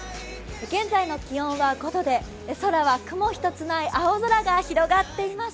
現在の気温は５度で空は雲一つない青空が広がっています。